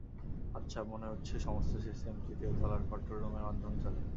আচ্ছা, মনে হচ্ছে সমস্ত সিস্টেম তৃতীয় তলার কন্ট্রোল রুমের মাধ্যমে চলে।